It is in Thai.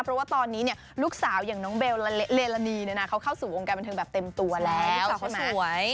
เพราะว่าตอนนี้ลูกสาวอย่างน้องเวลลี่ระนีเข้าสู่วงการบรรทัศน์เต็มตัวแล้ว